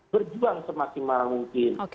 berjuang semakin mungkin